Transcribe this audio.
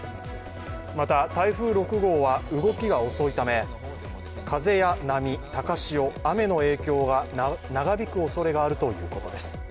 また、台風６号は動きが遅いため風や波、高潮雨の影響が長引くおそれがあるということです。